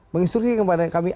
menginstruksikan ke kami